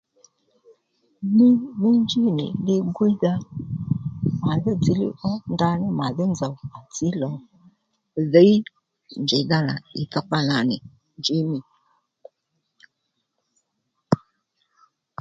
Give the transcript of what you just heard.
Ndrǔ dhí djí nì li gwíydha màdhí dziylíy ó ndaní màdhí nzòw tsǐ lò dhǐy njèydha nà ì dhokpa nà nì njí mî